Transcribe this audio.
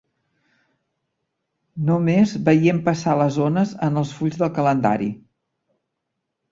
No més veient passar les ones en els fulls del calendari